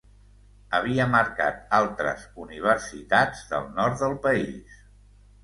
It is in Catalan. Havia marcat altres universitats del nord del país.